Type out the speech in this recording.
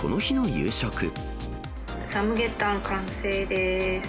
サムゲタン完成でーす。